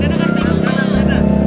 ini kasih ya dana kasih